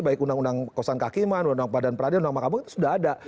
baik undang undang kosong kehakiman undang badan peradilan undang undang itu sudah ada